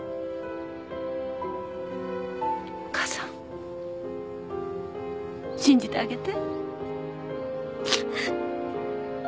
お母さんを信じてあげて。